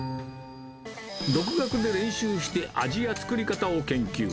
独学で練習して、味や作り方を研究。